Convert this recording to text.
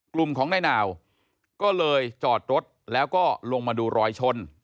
กลุ่มของนายนาวก็เลยจอดรถแล้วก็ลงมาดูรอยชน